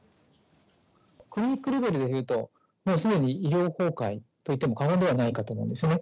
クリニックレベルでいうと、もうすでに医療崩壊といっても過言ではないかと思うんですね。